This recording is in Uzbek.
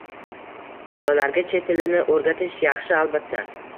Bolalarga chet tilini o‘rgatish yaxshi, albatta.